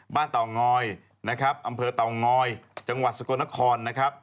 บ้านเต่างอยอำเภอเต่างอยจังหวัดสกรนคร